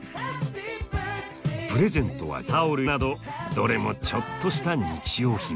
プレゼントはタオルなどどれもちょっとした日用品。